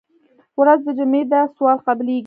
ورځ د جمعې ده سوال قبلېږي.